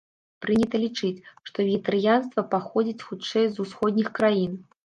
Прынята лічыць, што вегетарыянства паходзіць хутчэй з усходніх краін.